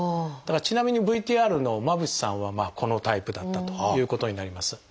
ちなみにＶＴＲの間渕さんはこのタイプだったということになります。